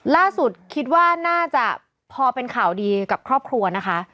ล่าสุดคิดว่าน่าจะพอเป็นข่าวดีกับครอบครัวนะคะ